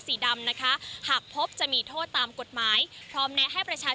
สีดำนะคะหากพบจะมีโทษตามกฎหมายพร้อมแนะให้ประชาชน